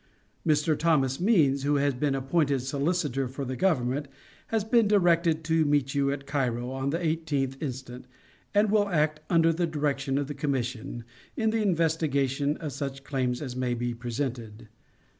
Mr. Thomas Means, who has been appointed solicitor for the Government, has been directed to meet you at Cairo on the eighteenth instant, and will act, under the direction of the commission, in the investigation of such claims as may be presented.